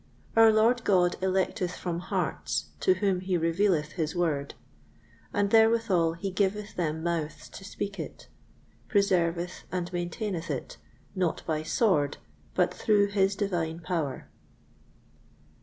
Our Lord God electeth from hearts, to whom he revealeth his Word, and therewithal he giveth them mouths to speak it; preserveth and maintaineth it, not by sword, but through his Divine Power.